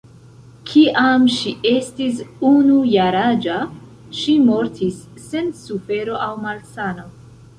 Kiam ŝi estis unu jaraĝa, ŝi mortis sen sufero aŭ malsano.